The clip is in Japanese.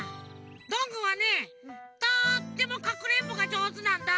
どんぐーはねとってもかくれんぼがじょうずなんだ！